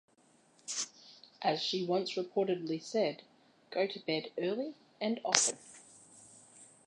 As she once reportedly said, "Go to bed early and often".